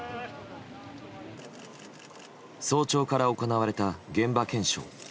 早朝から行われた現場検証。